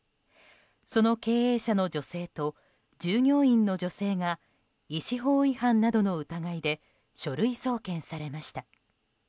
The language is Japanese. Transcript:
その経営者の女性と従業員の女性が医師法違反などの疑いで書類送検されました。